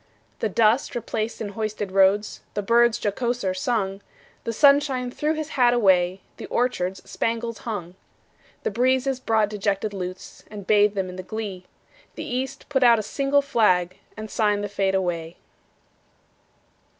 The dust replaced in hoisted roads, The birds jocoser sung; The sunshine threw his hat away, The orchards spangles hung. The breezes brought dejected lutes, And bathed them in the glee; The East put out a single flag, And signed the fete away.